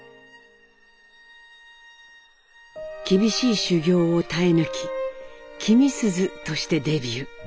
厳しい修業を耐え抜き「君すず」としてデビュー。